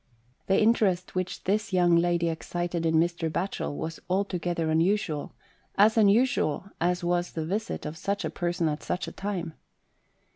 The interest which this young lady excited in Mr. Batchel was altogether unusual, as unusual as was the visit of such a person at such a time.